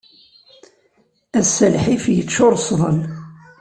Ass-a lḥif yeččur sḍel.